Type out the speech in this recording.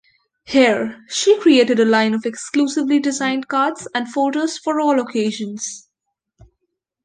Here, she created a line of exclusively designed cards and folders for all occasions.